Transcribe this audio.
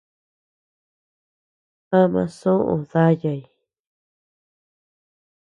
Ama soʼö dayay.